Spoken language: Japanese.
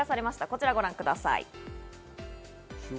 こちらをご覧ください。